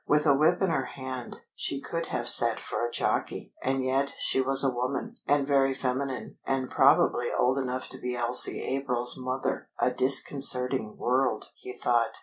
With a whip in her hand she could have sat for a jockey. And yet she was a woman, and very feminine, and probably old enough to be Elsie April's mother! A disconcerting world, he thought.